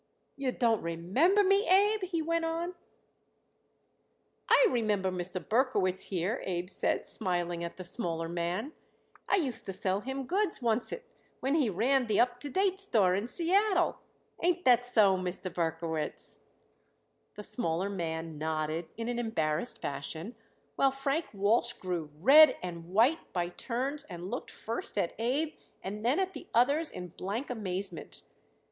"You don't remember me, Abe?" he went on. "I remember Mr. Berkowitz here," Abe said, smiling at the smaller man. "I used to sell him goods oncet when he ran the Up to Date Store in Seattle. Ain't that so, Mr. Berkowitz?" The smaller man nodded in an embarrassed fashion, while Frank Walsh grew red and white by turns and looked first at Abe and then at the others in blank amazement.